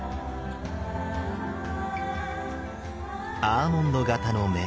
アーモンド形の目。